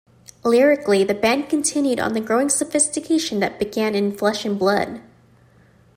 Lyrically, the band continued on the growing sophistication that began in "Flesh and Blood".